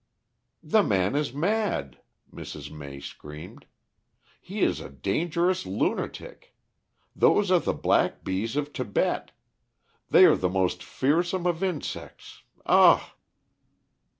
"The man is mad," Mrs. May screamed. "He is a dangerous lunatic. Those are the black bees of Tibet. They are the most fearsome of insects. Ah!"